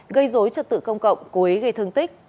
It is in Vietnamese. gây dối trật tự công cộng cố ý gây thương tích